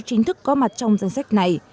chính thức có mặt trong danh sách này